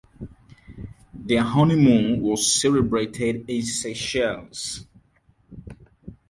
Their honeymoon was celebrated in Seychelles.